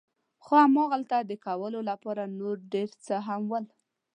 خو همالته د کولو لپاره نور ډېر څه هم ول.